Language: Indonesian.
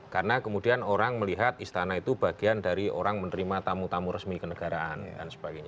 karena kemudian orang melihat istana itu bagian dari orang menerima tamu tamu resmi ke negaraan dan sebagainya